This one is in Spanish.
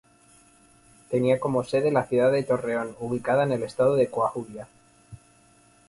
Tenía como sede la ciudad de Torreón, ubicada en el estado de Coahuila.